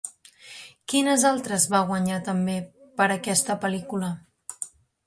Quins altres va guanyar també per aquesta pel·lícula?